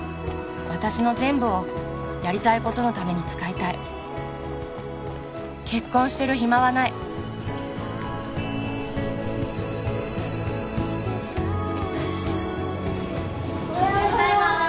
私の全部をやりたいことのために使いたい結婚してる暇はないおはようございます